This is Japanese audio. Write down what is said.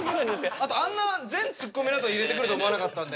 あとあんな全ツッコミのあと入れてくると思わなかったんで。